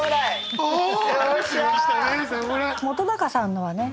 本さんのはね